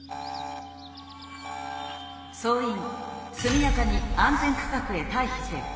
「総員速やかに安全区画へ退避せよ。